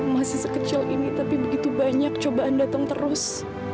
masih sekecil ini tapi begitu banyak cobaan datang terus